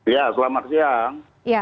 ya selamat siang